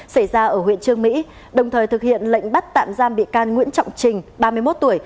xảy ra ở huyện trương mỹ đồng thời thực hiện lệnh bắt tạm giam bị can nguyễn trọng trình ba mươi một tuổi